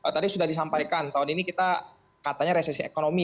tadi sudah disampaikan tahun ini kita katanya resesi ekonomi